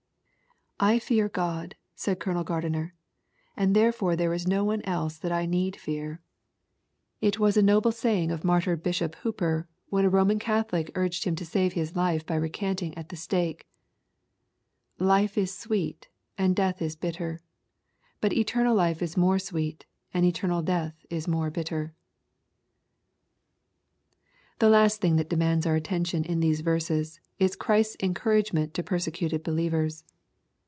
^* I fear Grod," said Colonel Gardiner, ^* and therefo re there is no on© else that I need fear.'* — It LUKE, CHAP. XII. 61 was a noble saying of martyred Bishop Hooper, when a Roman Catholic urged him to save his life by recanting at the stake, —" Life is sweet and death is bitter. But eternal life is more sweety and eternal death is more bitter;' The last thing that demands our attention in these verses, is Ghrisi^a encouragement to perseciUed believers.